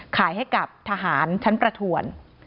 ขายให้กับทหารชั้นประถวน